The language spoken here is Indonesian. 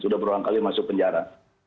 sudah berulang kali masuk penjara